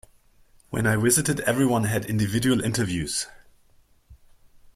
When I visited everyone had individual interviews.